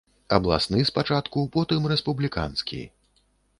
Абласны спачатку, потым рэспубліканскі.